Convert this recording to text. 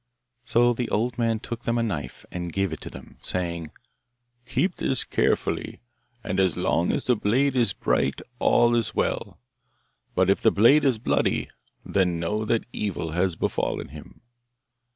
So the old man took them a knife, and gave it to them, saying, 'Keep this carefully, and as long as the blade is bright all is well; but if the blade is bloody, then know that evil has befallen him.